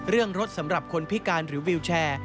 เรื่องรถสำหรับคนพิการหรือวิวแชร์